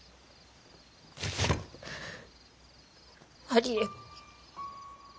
ありえん。